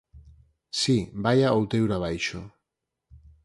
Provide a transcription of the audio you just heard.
Si, vaia outeiro abaixo.